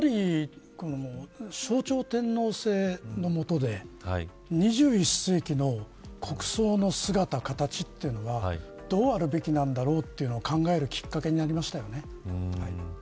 やはり象徴天皇制の下で２１世紀の国葬の姿、形というのはどうあるべきなんだろうというのを考えるきっかけになりましたよね。